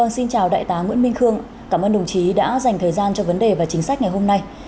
xin chào đại tá nguyễn minh khương cảm ơn đồng chí đã dành thời gian cho vấn đề và chính sách ngày hôm nay